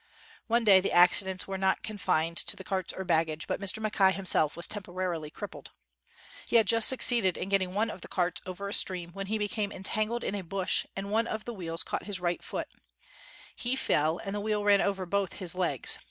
One day, the accidents were not confined to the carts or baggage, but Mr. Mackay himself was temporarily crippled. He had just succeeded in getting one of the carts over a stream, when he became entangled in a bush and one of the wheels caught his right 65 WHITE MAN OF WORK foot. He fell, and the wheel ran over both his legs.